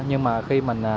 nhưng mà khi mình